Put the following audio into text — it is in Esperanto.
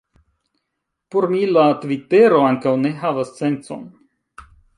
Por mi la Tvitero ankaŭ ne havas sencon.